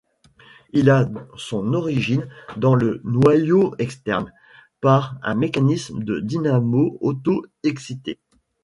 Il a son origine dans le noyau externe, par un mécanisme de dynamo auto-excitée.